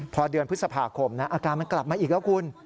พอเดือนพฤษภาคมอาการมันกลับมาอีกแล้วคุณ